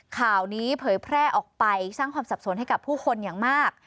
ข่าวนี้เผยแพร่ออกไปสร้างความสับสนให้กับผู้คนอย่างมาก